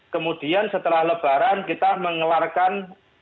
kemudian setelah lebaran kita mengeluarkan